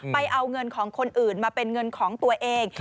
ไปเอาเงินของคนอื่นมาเป็นเงินของตัวเอง